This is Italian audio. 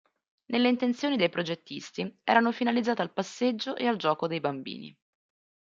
Nelle intenzione dei progettisti erano finalizzate al passeggio e al gioco dei bambini.